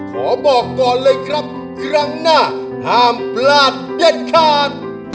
ขอบอกก่อนเลยครับครั้งหน้าห้ามพลาดเด็ดขาด